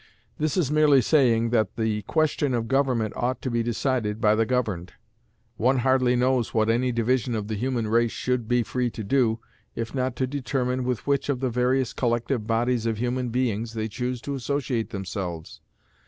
This is merely saying that the question of government ought to be decided by the governed. One hardly knows what any division of the human race should be free to do if not to determine with which of the various collective bodies of human beings they choose to associate themselves.